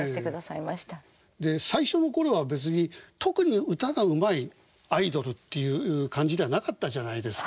で最初の頃は別に特に歌がうまいアイドルっていう感じではなかったじゃないですか。